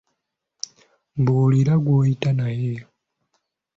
Mbuulira gw'oyita naye.